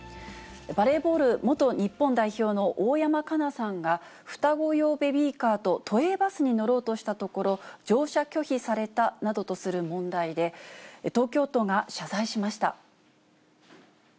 バレーボール元日本代表の大山加奈さんが、双子用ベビーカーと都営バスに乗ろうとしたところ、乗車拒否されたなどとする問題で、東京都が謝罪しました。